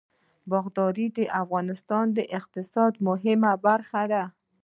باغداري د افغانستان د اقتصاد مهمه برخه ده.